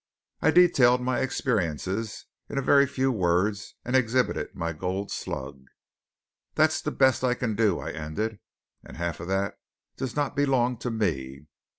I detailed my experiences in a very few words and exhibited my gold slug. "That's the best I can do," I ended, "and half of that does not belong to me.